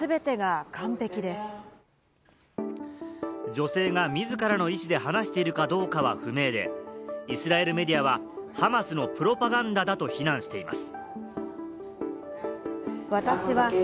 女性が自らの意思で話しているかどうかは不明で、イスラエルメディアはハマスのプロパガンダだと非難しています。